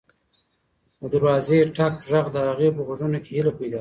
د دروازې د ټک غږ د هغې په غوږونو کې هیله پیدا کړه.